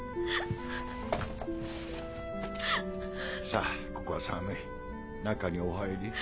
さぁここは寒い中にお入り。